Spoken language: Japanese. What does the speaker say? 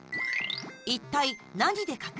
一体、何でかく？